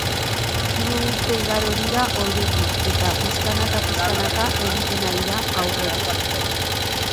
Hiru urte igaro dira ordutik, eta pixkanaka-pixkanaka egiten ari da aurrera.